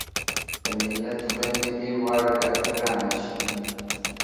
د ملت خويندې دې واړه ډاکترانې شي